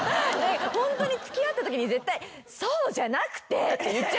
ホントに付き合ったときに絶対「そうじゃなくて！」って言っちゃいますよね。